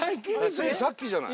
ついさっきじゃない。